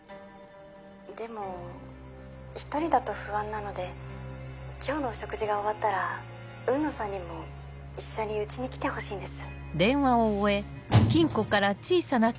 でも１人だと不安なので今日のお食事が終わったら雲野さんにも一緒に家に来てほしいんです。